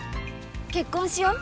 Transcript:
結婚しよう。